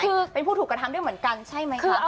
คือเป็นผู้ถูกกระทำด้วยเหมือนกันใช่ไหมคะ